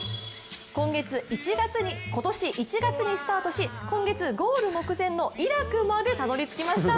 今年１月にスタートし、今月、ゴール目前のイラクまでたどりつきました。